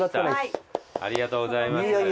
ありがとうございます。